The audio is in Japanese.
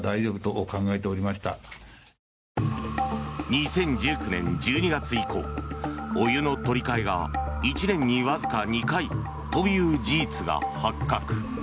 ２０１９年１２月以降お湯の取り換えが１年にわずか２回という事実が発覚。